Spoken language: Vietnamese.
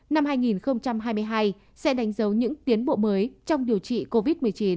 năm hai nghìn hai mươi hai sẽ đánh dấu những tiến bộ mới trong điều trị covid một mươi chín